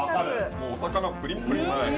もうお魚プリップリですね。